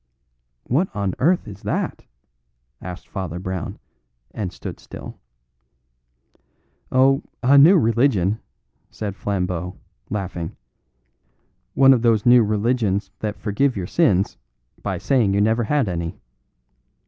"What on earth is that?" asked Father Brown, and stood still. "Oh, a new religion," said Flambeau, laughing; "one of those new religions that forgive your sins by saying you never had any.